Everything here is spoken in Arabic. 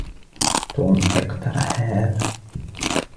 توم أقترحَ هذا.